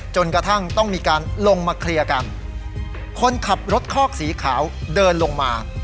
จนกระทั่งต้องมีการลงมาเคลียร์กันคนขับรถคอกสีขาวเดินลงมา